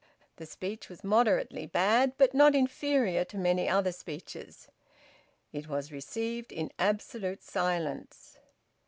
The speech was moderately bad, but not inferior to many other speeches. It was received in absolute silence.